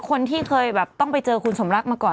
คนที่เคยแบบต้องไปเจอคุณสมรักมาก่อน